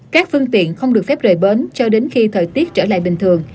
các phương tiện không được phép rời bến cho đến khi thời tiết trở lại bình thường